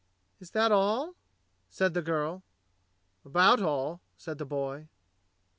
"Is that all.?" said the girl. "About all," said the boy. "Mr.